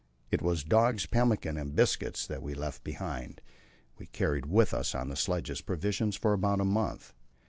It was dogs' pemmican and biscuits that were left behind; we carried with us on the sledges provisions for about a month.